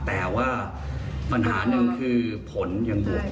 แต่ว่าปัญหาหนึ่งคือผลยังบวก